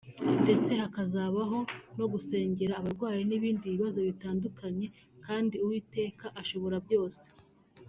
ndetse hazabaho no gusengera abarwayi n'ibindi bibazo bitandukanye kandi Uwiteka ashobora byose